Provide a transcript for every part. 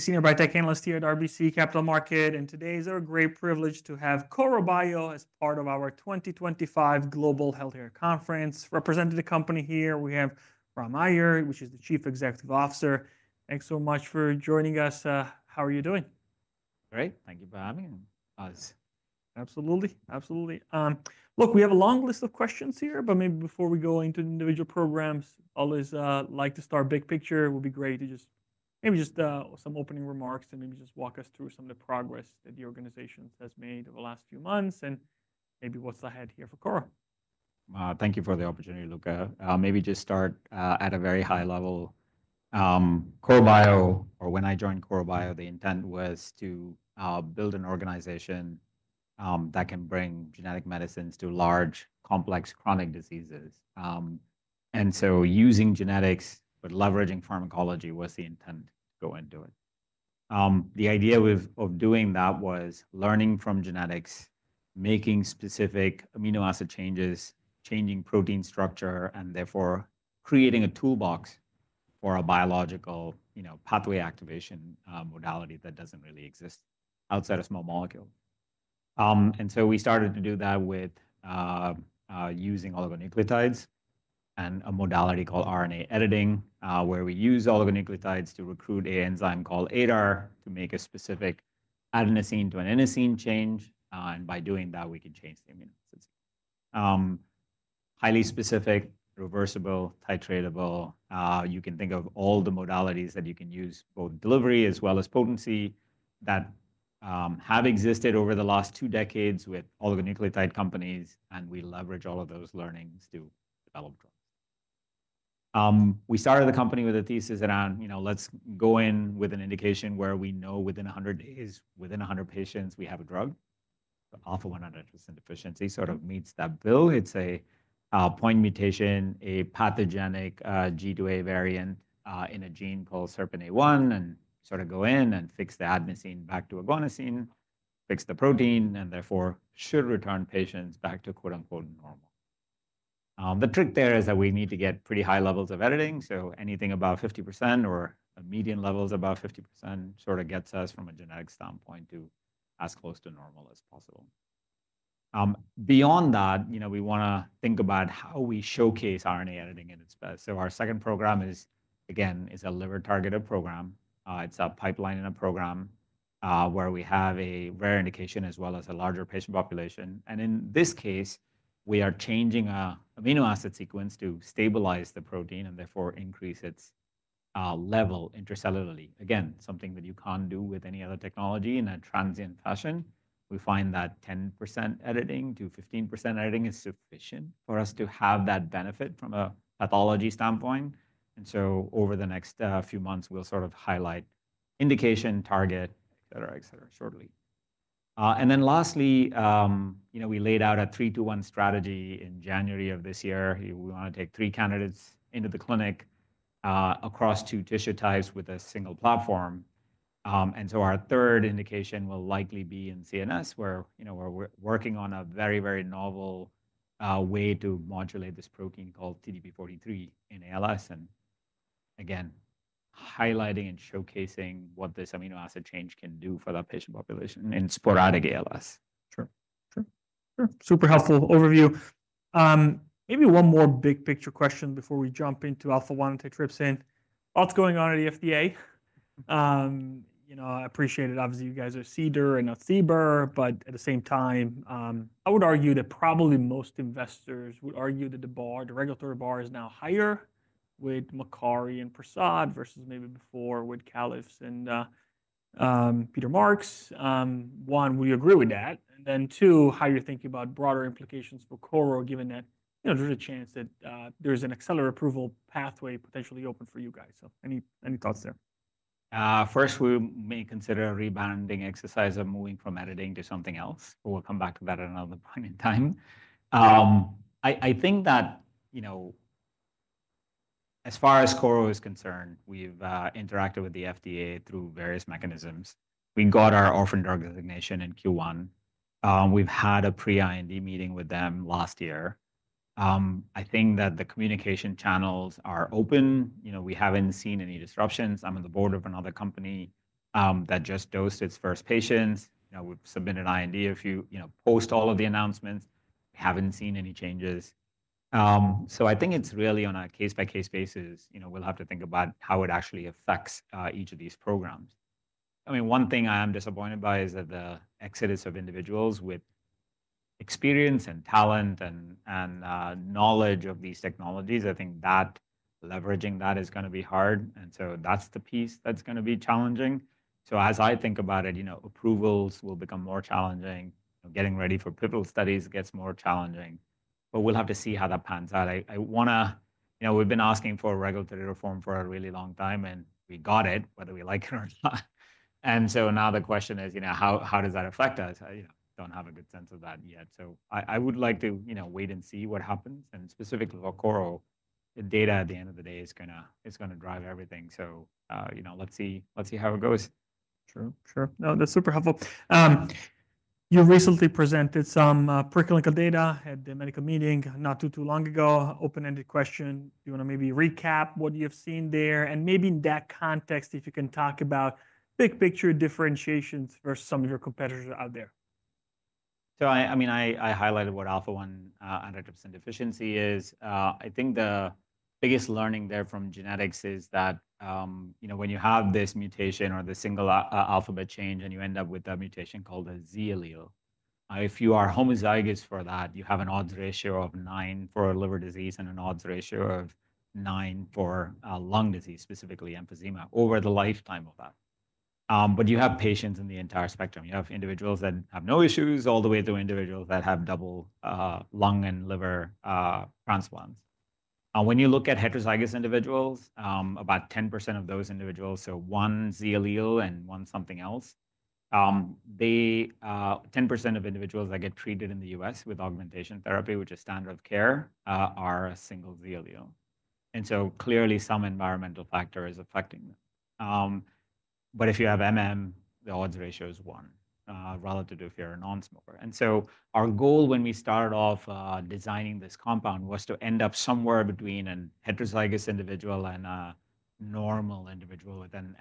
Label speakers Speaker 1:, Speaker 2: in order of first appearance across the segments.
Speaker 1: Senior Biotech Analyst here at RBC Capital Markets, and today is our great privilege to have Korro Bio as part of our 2025 Global Healthcare Conference. Representing the company here, we have Ram Aiyar, who is the Chief Executive Officer. Thanks so much for joining us. How are you doing?
Speaker 2: Great. Thank you for having us.
Speaker 1: Absolutely. Absolutely. Look, we have a long list of questions here, but maybe before we go into individual programs, I always like to start big picture. It would be great to just maybe just some opening remarks and maybe just walk us through some of the progress that the organization has made over the last few months and maybe what's ahead here for Korro Bio?
Speaker 2: Thank you for the opportunity, Luca. Maybe just start at a very high level. Korro Bio, or when I joined Korro Bio, the intent was to build an organization that can bring genetic medicines to large, complex, chronic diseases. Using genetics, but leveraging pharmacology was the intent to go into it. The idea of doing that was learning from genetics, making specific amino acid changes, changing protein structure, and therefore creating a toolbox for a biological pathway activation modality that does not really exist outside of small molecules. We started to do that with using oligonucleotides and a modality called RNA editing, where we use oligonucleotides to recruit an enzyme called ADAR to make a specific adenosine to an inosine change. By doing that, we can change the amino acids. Highly specific, reversible, titratable. You can think of all the modalities that you can use, both delivery as well as potency, that have existed over the last two decades with oligonucleotide companies, and we leverage all of those learnings to develop drugs. We started the company with a thesis around, you know, let's go in with an indication where we know within 100 days, within 100 patients, we have a drug. Alpha-1 100% efficiency sort of meets that bill. It's a point mutation, a pathogenic G-to-A variant in a gene called SERPINA1, and sort of go in and fix the adenosine back to adenosine, fix the protein, and therefore should return patients back to "normal." The trick there is that we need to get pretty high levels of editing. So anything about 50% or median levels about 50% sort of gets us from a genetic standpoint to as close to normal as possible. Beyond that, you know, we want to think about how we showcase RNA editing in its best. Our second program is, again, is a liver-targeted program. It is a pipeline in a program where we have a rare indication as well as a larger patient population. In this case, we are changing an amino acid sequence to stabilize the protein and therefore increase its level intracellularly. Again, something that you cannot do with any other technology in a transient fashion. We find that 10%-15% editing is sufficient for us to have that benefit from a pathology standpoint. Over the next few months, we will sort of highlight indication, target, et cetera, et cetera, shortly. Lastly, you know, we laid out a three-to-one strategy in January of this year. We want to take three candidates into the clinic across two tissue types with a single platform. Our third indication will likely be in CNS, where you know we're working on a very, very novel way to modulate this protein called TDP-43 in ALS. Again, highlighting and showcasing what this amino acid change can do for that patient population in sporadic ALS.
Speaker 1: Sure. Super helpful overview. Maybe one more big picture question before we jump into Alpha-1 antitrypsin. What's going on at the FDA? You know, I appreciate it. Obviously, you guys are CDER and not CBER, but at the same time, I would argue that probably most investors would argue that the bar, the regulatory bar, is now higher with Makary and Prasad versus maybe before with Califf and Peter Marks. One, would you agree with that? Two, how are you thinking about broader implications for Korro given that, you know, there's a chance that there's an accelerated approval pathway potentially open for you guys? Any thoughts there?
Speaker 2: First, we may consider a rebounding exercise of moving from editing to something else. We'll come back to that at another point in time. I think that, you know, as far as Korro is concerned, we've interacted with the FDA through various mechanisms. We got our orphan drug designation in Q1. We've had a pre-IND meeting with them last year. I think that the communication channels are open. You know, we haven't seen any disruptions. I'm on the board of another company that just dosed its first patients. You know, we've submitted IND a few, you know, post all of the announcements. We haven't seen any changes. I think it's really on a case-by-case basis, you know, we'll have to think about how it actually affects each of these programs. I mean, one thing I am disappointed by is that the exodus of individuals with experience and talent and knowledge of these technologies, I think that leveraging that is going to be hard. That is the piece that is going to be challenging. As I think about it, you know, approvals will become more challenging. Getting ready for pivotal studies gets more challenging. We will have to see how that pans out. I want to, you know, we have been asking for a regulatory reform for a really long time, and we got it, whether we like it or not. Now the question is, you know, how does that affect us? I do not have a good sense of that yet. I would like to, you know, wait and see what happens. Specifically for Korro, the data at the end of the day is going to drive everything. You know, let's see how it goes.
Speaker 1: Sure. Sure. No, that's super helpful. You recently presented some preclinical data at the medical meeting not too long ago. Open-ended question. Do you want to maybe recap what you've seen there? Maybe in that context, if you can talk about big picture differentiations versus some of your competitors out there.
Speaker 2: I mean, I highlighted what Alpha-1 and 100% efficiency is. I think the biggest learning there from genetics is that, you know, when you have this mutation or the single alphabet change and you end up with a mutation called a Z allele, if you are homozygous for that, you have an odds ratio of 9 for a liver disease and an odds ratio of 9 for lung disease, specifically emphysema, over the lifetime of that. You have patients in the entire spectrum. You have individuals that have no issues all the way to individuals that have double lung and liver transplants. When you look at heterozygous individuals, about 10% of those individuals, so one Z allele and one something else, 10% of individuals that get treated in the U.S. with augmentation therapy, which is standard of care, are a single Z allele. Clearly some environmental factor is affecting them. If you have the odds ratio is one relative to if you're a nonsmoker. Our goal when we started off designing this compound was to end up somewhere between a heterozygous individual and a normal individual with an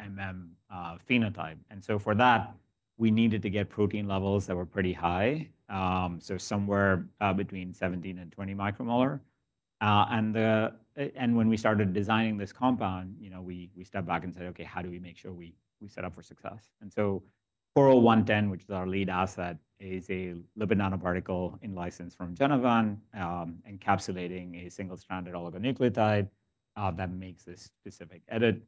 Speaker 2: phenotype. For that, we needed to get protein levels that were pretty high, so somewhere between 17r-20 micromolar. When we started designing this compound, you know, we stepped back and said, okay, how do we make sure we set up for success? KRRO-110, which is our lead asset, is a lipid nanoparticle in-licensed from Genevant, encapsulating a single-stranded oligonucleotide that makes this specific edit,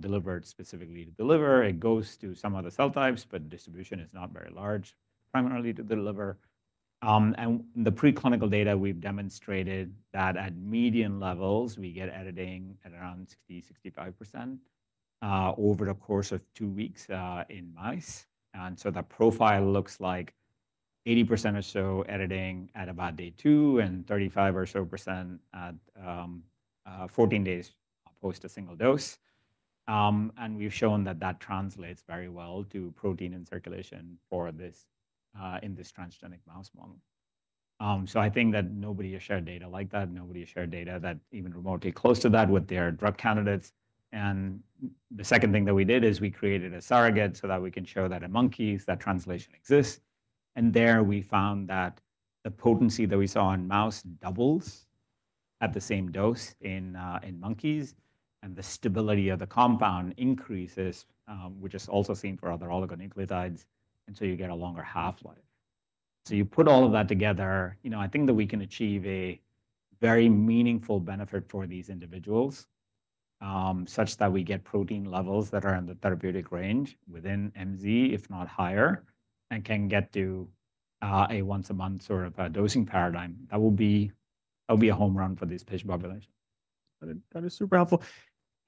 Speaker 2: delivered specifically to deliver. It goes to some of the cell types, but distribution is not very large, primarily to deliver. The preclinical data, we've demonstrated that at median levels, we get editing at around 60%-65% over the course of two weeks in mice. That profile looks like 80% or so editing at about day two and 35% or so at 14 days post a single dose. We've shown that that translates very well to protein in circulation in this transgenic mouse model. I think that nobody has shared data like that. Nobody has shared data that is even remotely close to that with their drug candidates. The second thing that we did is we created a surrogate so that we can show that in monkeys that translation exists. There we found that the potency that we saw in mouse doubles at the same dose in monkeys, and the stability of the compound increases, which is also seen for other oligonucleotides. You get a longer half-life. You put all of that together, you know, I think that we can achieve a very meaningful benefit for these individuals, such that we get protein levels that are in the therapeutic range within MZ, if not higher, and can get to a once-a-month sort of dosing paradigm. That will be a home run for this patient population.
Speaker 1: That is super helpful.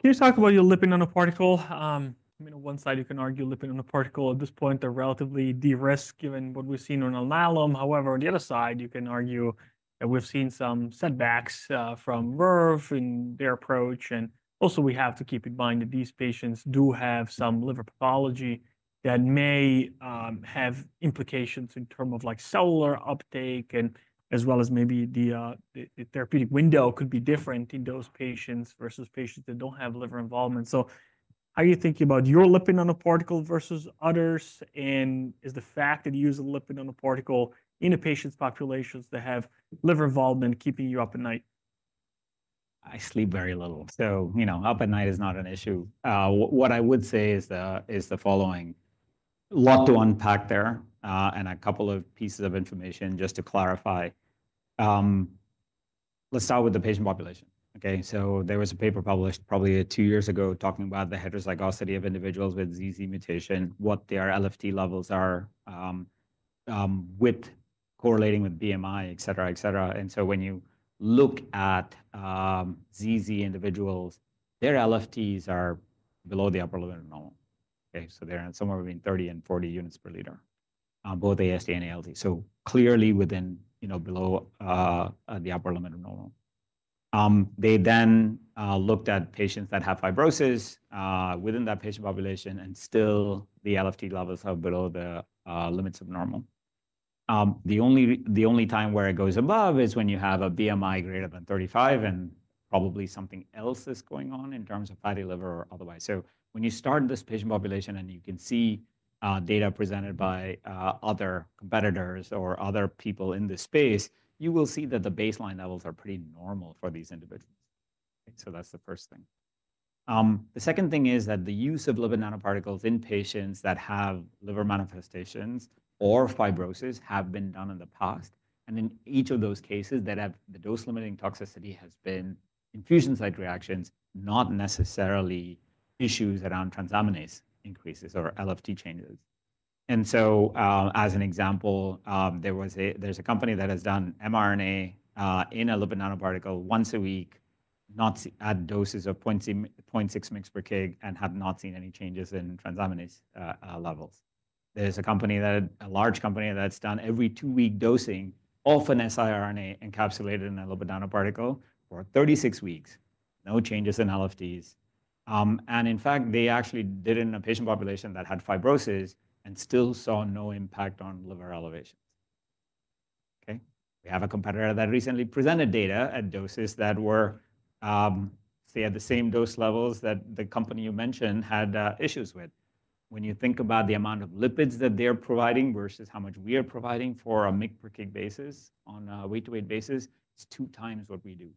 Speaker 1: Can you talk about your lipid nanoparticle? I mean, on one side, you can argue lipid nanoparticle at this point, they're relatively de-risked given what we've seen on Alnylam. However, on the other side, you can argue that we've seen some setbacks from Verve in their approach. Also, we have to keep in mind that these patients do have some liver pathology that may have implications in terms of like cellular uptake, and as well as maybe the therapeutic window could be different in those patients versus patients that don't have liver involvement. How are you thinking about your lipid nanoparticle versus others? Is the fact that you use a lipid nanoparticle in a patient population that have liver involvement keeping you up at night?
Speaker 2: I sleep very little. So, you know, up at night is not an issue. What I would say is the following. Lot to unpack there and a couple of pieces of information just to clarify. Let's start with the patient population. Okay. So there was a paper published probably two years ago talking about the heterozygosity of individuals with ZZ mutation, what their LFT levels are with correlating with BMI, et cetera, et cetera. And so when you look at ZZ individuals, their LFTs are below the upper limit of normal. Okay. So they're somewhere between 30 and 40 units per liter, both AST and ALT. So clearly within, you know, below the upper limit of normal. They then looked at patients that have fibrosis within that patient population, and still the LFT levels are below the limits of normal. The only time where it goes above is when you have a BMI greater than 35 and probably something else is going on in terms of fatty liver or otherwise. When you start this patient population and you can see data presented by other competitors or other people in this space, you will see that the baseline levels are pretty normal for these individuals. That is the first thing. The second thing is that the use of lipid nanoparticles in patients that have liver manifestations or fibrosis has been done in the past. In each of those cases, the dose-limiting toxicity has been infusion-site reactions, not necessarily issues around transaminase increases or LFT changes. As an example, there's a company that has done mRNA in a lipid nanoparticle once a week, not at doses of 0.6 mg per kg, and have not seen any changes in transaminase levels. There's a company that, a large company that's done every two-week dosing of an siRNA encapsulated in a lipid nanoparticle for 36 weeks, no changes in LFTs. In fact, they actually did it in a patient population that had fibrosis and still saw no impact on liver elevations. Okay. We have a competitor that recently presented data at doses that were, say, at the same dose levels that the company you mentioned had issues with. When you think about the amount of lipids that they're providing versus how much we are providing for a mg per kg basis on a weight-to-weight basis, it's two times what we do.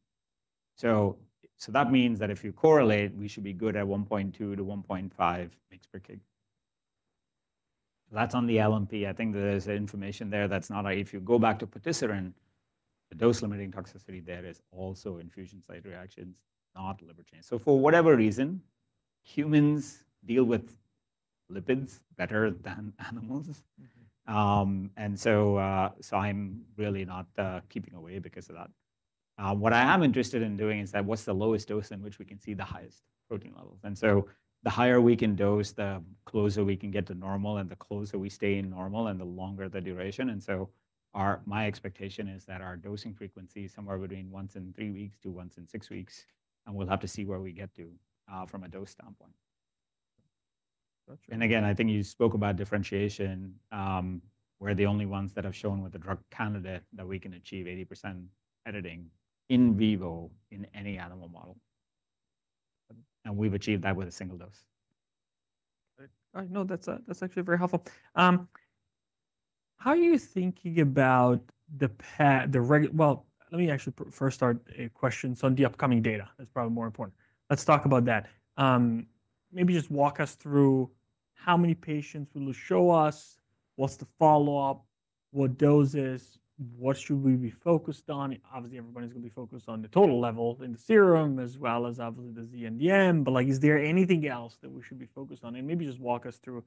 Speaker 2: That means that if you correlate, we should be good at 1.2 mg-1.5 mg per kg. That's on the LNP. I think there's information there that's not right. If you go back to patisiran, the dose-limiting toxicity there is also infusion-site reactions, not liver changes. For whatever reason, humans deal with lipids better than animals. I'm really not keeping away because of that. What I am interested in doing is what's the lowest dose in which we can see the highest protein levels? The higher we can dose, the closer we can get to normal, and the closer we stay in normal, and the longer the duration. My expectation is that our dosing frequency is somewhere between once in three weeks to once in six weeks. We'll have to see where we get to from a dose standpoint. I think you spoke about differentiation, we're the only ones that have shown with the drug candidate that we can achieve 80% editing in vivo in any animal model. We've achieved that with a single dose.
Speaker 1: I know that's actually very helpful. How are you thinking about the, well, let me actually first start a question. On the upcoming data, that's probably more important. Let's talk about that. Maybe just walk us through how many patients will show us, what's the follow-up, what doses, what should we be focused on? Obviously, everybody's going to be focused on the total level in the serum as well as obviously the Z and the M, but like is there anything else that we should be focused on? Maybe just walk us through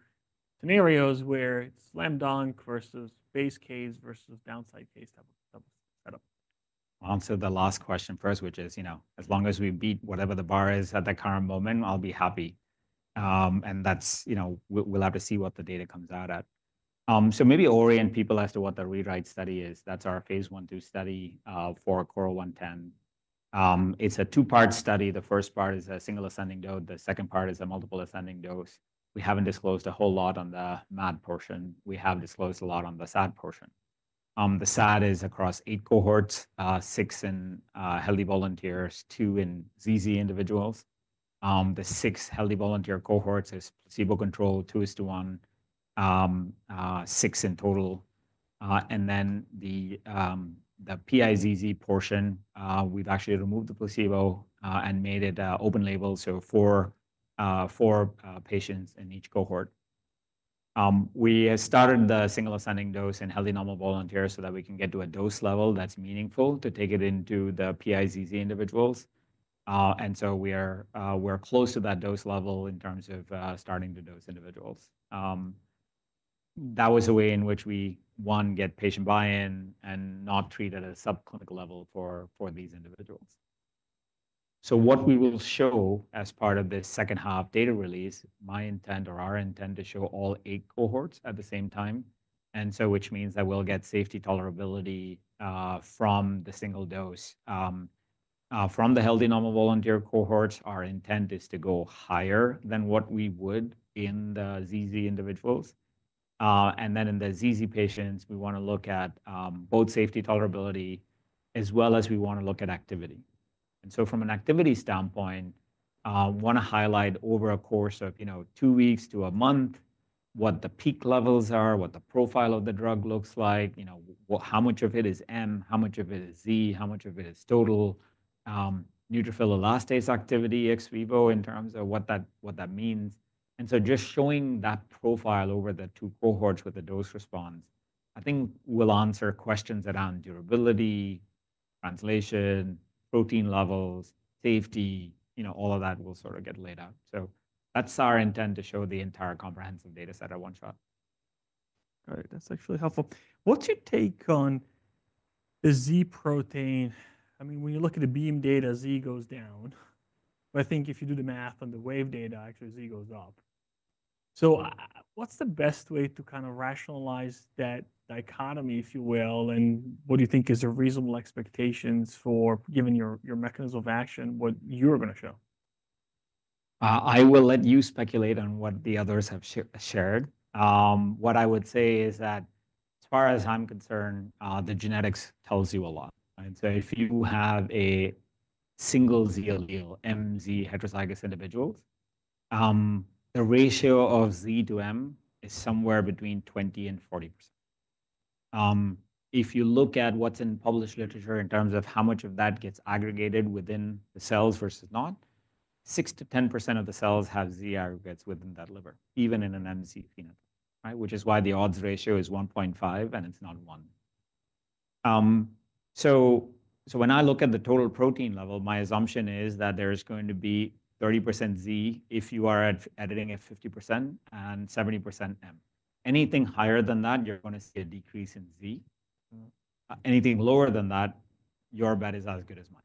Speaker 1: scenarios where it's slam dunk versus base case versus downside case type of setup.
Speaker 2: I'll answer the last question first, which is, you know, as long as we beat whatever the bar is at the current moment, I'll be happy. And that's, you know, we'll have to see what the data comes out at. So maybe orient people as to what the rewrite study is. That's our phase I/II study for KRRO-110. It's a two-part study. The first part is a single ascending dose. The second part is a multiple ascending dose. We haven't disclosed a whole lot on the MAD portion. We have disclosed a lot on the SAD portion. The SAD is across eight cohorts, six in healthy volunteers, two in ZZ individuals. The six healthy volunteer cohorts is placebo control, two is to one, six in total. And then the PIZZ portion, we've actually removed the placebo and made it open label. So four patients in each cohort. We started the single ascending dose in healthy normal volunteers so that we can get to a dose level that's meaningful to take it into the PIZZ individuals. We are close to that dose level in terms of starting to dose individuals. That was a way in which we, one, get patient buy-in and not treat at a subclinical level for these individuals. What we will show as part of this second half data release, my intent or our intent is to show all eight cohorts at the same time. This means that we'll get safety tolerability from the single dose. From the healthy normal volunteer cohorts, our intent is to go higher than what we would in the ZZ individuals. In the ZZ patients, we want to look at both safety tolerability as well as we want to look at activity. From an activity standpoint, I want to highlight over a course of, you know, two weeks to a month, what the peak levels are, what the profile of the drug looks like, you know, how much of it is M, how much of it is Z, how much of it is total neutrophil elastase activity ex vivo in terms of what that means. Just showing that profile over the two cohorts with the dose response, I think will answer questions around durability, translation, protein levels, safety, you know, all of that will sort of get laid out. That is our intent to show the entire comprehensive data set at one shot.
Speaker 1: All right. That's actually helpful. What's your take on the Z protein? I mean, when you look at the Beam data, Z goes down. But I think if you do the math on the Wave data, actually Z goes up. So what's the best way to kind of rationalize that dichotomy, if you will, and what do you think is a reasonable expectation for, given your mechanism of action, what you're going to show?
Speaker 2: I will let you speculate on what the others have shared. What I would say is that as far as I'm concerned, the genetics tells you a lot. If you have a single Z allele, MZ heterozygous individuals, the ratio of Z to M is somewhere between 20%-40%. If you look at what's in published literature in terms of how much of that gets aggregated within the cells versus not, 6%-10% of the cells have Z aggregates within that liver, even in an MZ phenotype, right? Which is why the odds ratio is 1.5 and it's not one. When I look at the total protein level, my assumption is that there's going to be 30% Z if you are editing at 50% and 70% M. Anything higher than that, you're going to see a decrease in Z. Anything lower than that, your bet is as good as mine.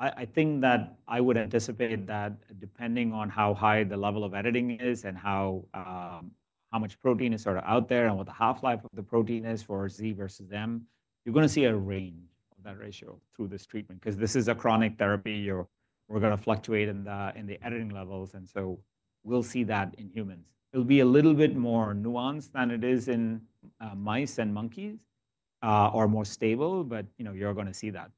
Speaker 2: I think that I would anticipate that depending on how high the level of editing is and how much protein is sort of out there and what the half-life of the protein is for Z versus M, you're going to see a range of that ratio through this treatment. Because this is a chronic therapy, we're going to fluctuate in the editing levels. You know, we'll see that in humans. It'll be a little bit more nuanced than it is in mice and monkeys or more stable, but you know, you're going to see that.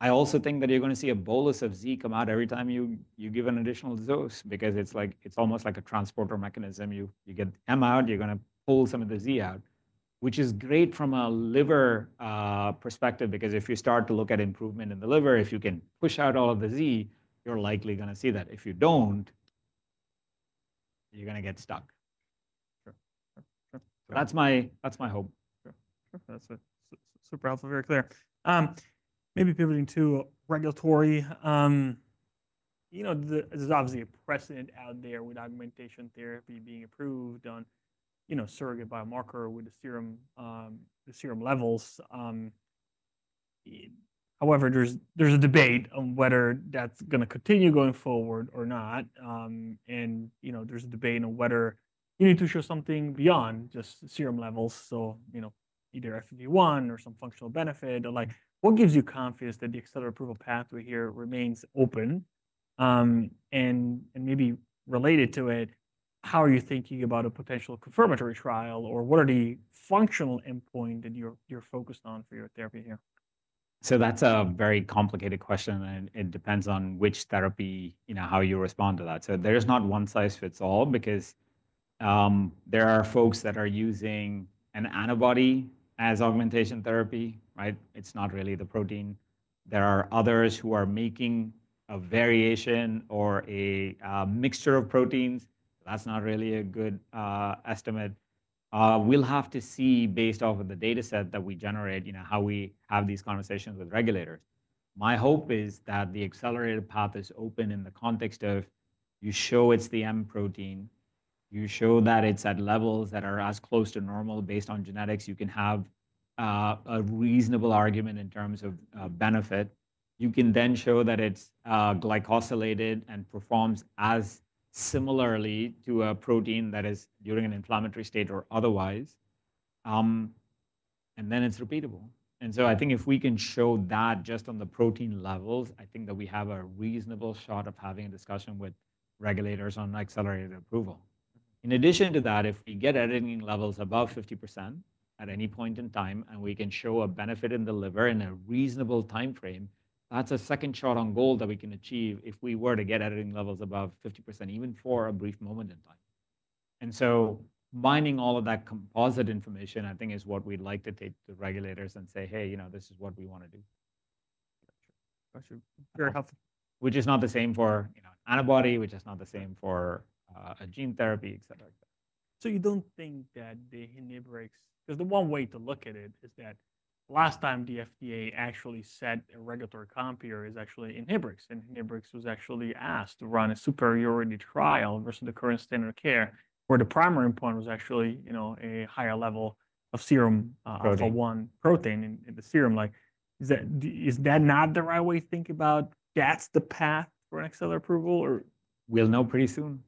Speaker 2: I also think that you're going to see a bolus of Z come out every time you give an additional dose because it's like, it's almost like a transporter mechanism. You get M out, you're going to pull some of the Z out, which is great from a liver perspective because if you start to look at improvement in the liver, if you can push out all of the Z, you're likely going to see that. If you don't, you're going to get stuck. That's my hope.
Speaker 1: That's super helpful, very clear. Maybe pivoting to regulatory. You know, there's obviously a precedent out there with augmentation therapy being approved on, you know, surrogate biomarker with the serum levels. However, there's a debate on whether that's going to continue going forward or not. You know, there's a debate on whether you need to show something beyond just serum levels. You know, either FEV1 or some functional benefit or like what gives you confidence that the accelerated approval pathway here remains open? Maybe related to it, how are you thinking about a potential confirmatory trial or what are the functional endpoints that you're focused on for your therapy here?
Speaker 2: That's a very complicated question. It depends on which therapy, you know, how you respond to that. There's not one size fits all because there are folks that are using an antibody as augmentation therapy, right? It's not really the protein. There are others who are making a variation or a mixture of proteins. That's not really a good estimate. We'll have to see based off of the data set that we generate, you know, how we have these conversations with regulators. My hope is that the accelerated path is open in the context of you show it's the M protein, you show that it's at levels that are as close to normal based on genetics. You can have a reasonable argument in terms of benefit. You can then show that it's glycosylated and performs as similarly to a protein that is during an inflammatory state or otherwise. It is repeatable. I think if we can show that just on the protein levels, I think that we have a reasonable shot of having a discussion with regulators on accelerated approval. In addition to that, if we get editing levels above 50% at any point in time and we can show a benefit in the liver in a reasonable timeframe, that is a second shot on goal that we can achieve if we were to get editing levels above 50% even for a brief moment in time. Mining all of that composite information, I think is what we would like to take to regulators and say, hey, you know, this is what we want to do.
Speaker 1: Very helpful.
Speaker 2: Which is not the same for, you know, an antibody, which is not the same for a gene therapy, et cetera.
Speaker 1: You don't think that the inhibitors, because the one way to look at it is that last time the FDA actually set a regulatory comparator is actually inhibitors. And inhibitors was actually asked to run a superiority trial versus the current standard of care where the primary point was actually, you know, a higher level of serum for one protein in the serum. Like is that not the right way to think about that's the path for an accelerated approval or?
Speaker 2: We'll know pretty soon,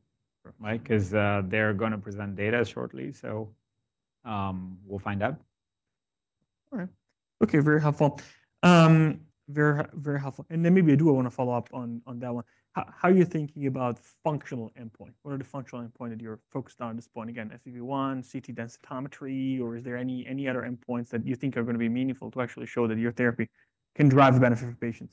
Speaker 2: right? Because they're going to present data shortly. So we'll find out.
Speaker 1: All right. Okay. Very helpful. Very, very helpful. Maybe I do want to follow up on that one. How are you thinking about functional endpoint? What are the functional endpoint that you're focused on at this point? Again, FEV1, CT densitometry, or is there any other endpoints that you think are going to be meaningful to actually show that your therapy can drive the benefit for patients?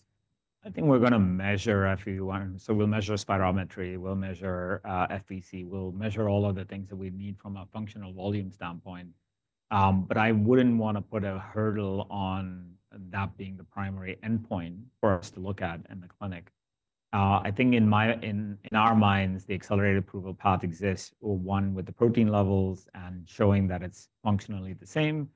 Speaker 2: I think we're going to measure FEV1. We'll measure spirometry, we'll measure FVC, we'll measure all of the things that we need from a functional volume standpoint. I wouldn't want to put a hurdle on that being the primary endpoint for us to look at in the clinic. I think in our minds, the accelerated approval path exists or one with the protein levels and showing that it's functionally the same.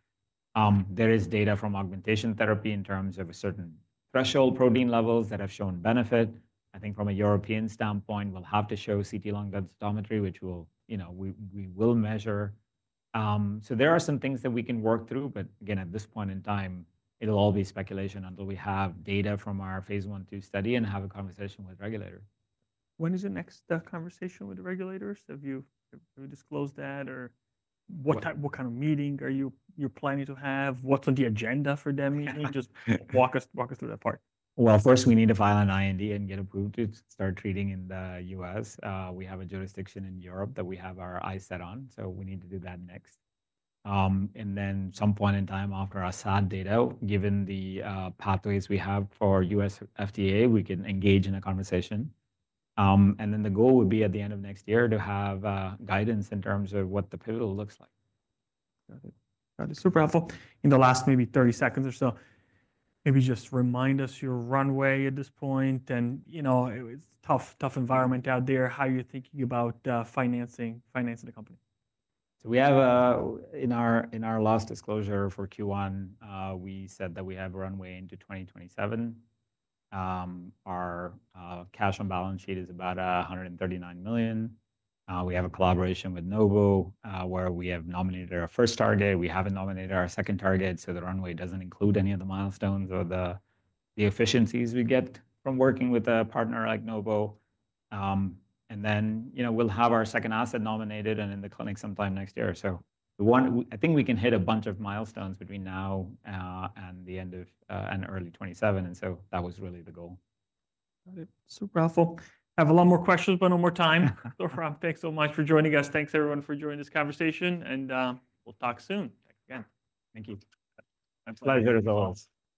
Speaker 2: There is data from augmentation therapy in terms of a certain threshold protein levels that have shown benefit. I think from a European standpoint, we'll have to show CT lung densitometry, which we'll, you know, we will measure. There are some things that we can work through, but again, at this point in time, it'll all be speculation until we have data from our phase I/II study and have a conversation with regulators.
Speaker 1: When is the next conversation with the regulators? Have you disclosed that or what kind of meeting are you planning to have? What's on the agenda for that meeting? Just walk us through that part.
Speaker 2: First we need to file an IND and get approved to start treating in the U.S. We have a jurisdiction in Europe that we have our eyes set on. We need to do that next. At some point in time after our SAD data, given the pathways we have for U.S. FDA, we can engage in a conversation. The goal would be at the end of next year to have guidance in terms of what the pivotal looks like.
Speaker 1: Got it. Got it. Super helpful. In the last maybe 30 seconds or so, maybe just remind us your runway at this point and you know, it's a tough environment out there. How are you thinking about financing the company?
Speaker 2: We have in our last disclosure for Q1, we said that we have a runway into 2027. Our cash on balance sheet is about $139 million. We have a collaboration with Novo where we have nominated our first target. We have not nominated our second target. The runway does not include any of the milestones or the efficiencies we get from working with a partner like Novo. You know, we will have our second asset nominated and in the clinic sometime next year. I think we can hit a bunch of milestones between now and the end of early 2027. That was really the goal.
Speaker 1: Got it. Super helpful. I have a lot more questions, but one more time. Ram, thanks so much for joining us. Thanks everyone for joining this conversation and we'll talk soon.
Speaker 2: Thanks again.
Speaker 1: Thank you.
Speaker 2: My pleasure as always.